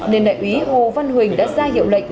nên đại úy hồ văn huỳnh đã ra hiệu lệnh